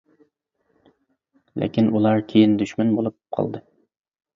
لېكىن ئۇلار كېيىن دۈشمەن بولۇپ قالدى.